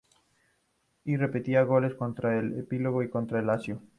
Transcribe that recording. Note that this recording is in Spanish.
Y repetiría goles contra el Empoli y contra la Lazio.